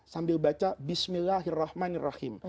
sambil baca bismillahirrahmanirrahim